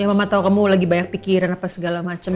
mama tahu kamu lagi banyak pikiran apa segala macem